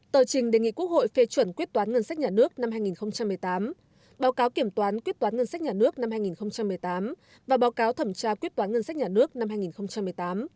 tờ trình đề nghị quốc hội phê chuẩn quyết toán ngân sách nhà nước năm hai nghìn một mươi tám báo cáo kiểm toán quyết toán ngân sách nhà nước năm hai nghìn một mươi tám và báo cáo thẩm tra quyết toán ngân sách nhà nước năm hai nghìn một mươi tám